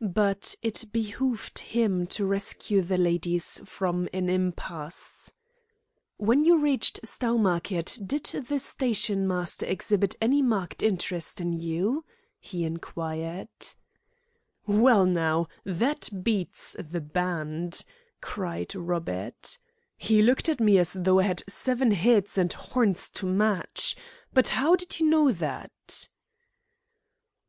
But it behoved him to rescue the ladies from an impasse. "When you reached Stowmarket did the stationmaster exhibit any marked interest in you?" he inquired. "Well, now, that beats the band," cried Robert. "He looked at me as though I had seven heads and horns to match. But how did you know that?"